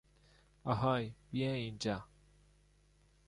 آهای، بیا اینجا!